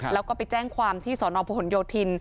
แล้วก็ไปแจ้งความที่สอนอพหนโยธิน